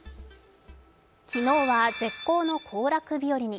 昨日は絶好の行楽日和に。